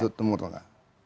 di timur tengah